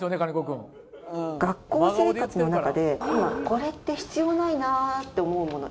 君学校生活の中でこれって必要ないなと思うもの